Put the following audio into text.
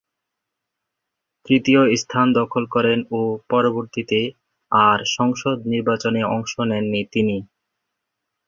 তৃতীয় স্থান দখল করেন ও পরবর্তীতে আর সংসদ নির্বাচনে অংশ নেননি তিনি।